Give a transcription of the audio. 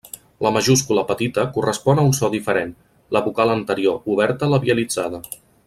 La majúscula petita correspon a un so diferent, la vocal anterior oberta labialitzada.